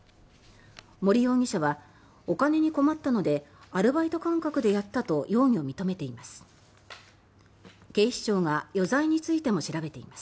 森容疑者はお金に困ったのでアルバイト感覚でやったと容疑を認めています。